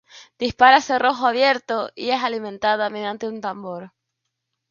Dispara a cerrojo abierto y es alimentada mediante un tambor.